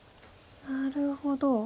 なるほど。